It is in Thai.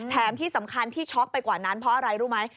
แถมที่สำคัญที่ช็อกไปกว่านั้นเพราะอะไรรู้ไหม